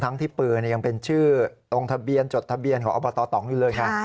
ทั้งที่ปืนนี่ยังเป็นชื่อตรงทะเบียนจดทะเบียนของอบต๒อยู่เลยค่ะ